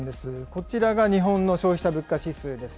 こちらが日本の消費者物価指数です。